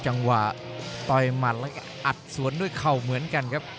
จังหวะต่อยหมัดแล้วก็อัดสวนด้วยเข่าเหมือนกันครับ